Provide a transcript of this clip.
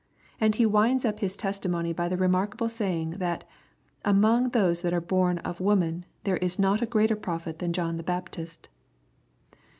And he winds up his testimony by the remarkable saying, that " among those that are bom of woman there is not a greater prophet than John the Baptist."